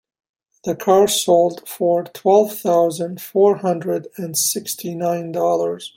The car sold for twelve thousand four hundred and sixty nine dollars.